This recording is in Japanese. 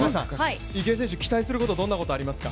池江選手に期待することどんなことありますか？